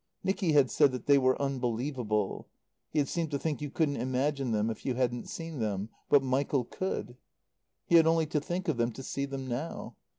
Nicky had said that they were unbelievable; he had seemed to think you couldn't imagine them if you hadn't seen them. But Michael could. He had only to think of them to see them now.